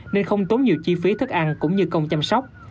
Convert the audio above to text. nên không tốn nhiều chi phí thức ăn cũng như công chăm sóc